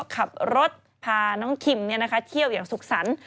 ขับรถพาน้องคิมเนี่ยนะคะเที่ยวอย่างสุขสัน